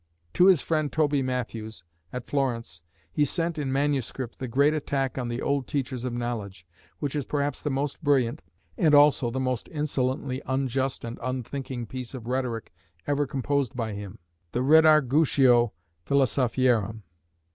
To his friend Toby Matthews, at Florence, he sent in manuscript the great attack on the old teachers of knowledge, which is perhaps the most brilliant, and also the most insolently unjust and unthinking piece of rhetoric ever composed by him the Redargutio Philosophiarum.